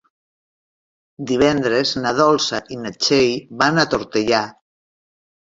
Divendres na Dolça i na Txell van a Tortellà.